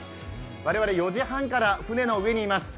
我々４時半から船の上にいます。